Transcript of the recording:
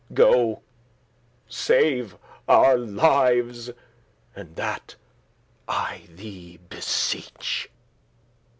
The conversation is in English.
Go, save our lives, and that I thee beseech."